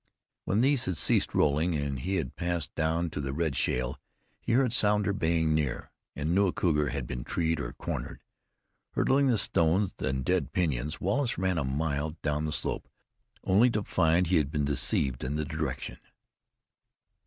When these had ceased rolling, and he had passed down to the red shale, he heard Sounder baying near, and knew a cougar had been treed or cornered. Hurdling the stones and dead pinyons, Wallace ran a mile down the slope, only to find he had been deceived in the direction.